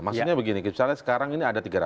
maksudnya begini misalnya sekarang ini ada tiga ratus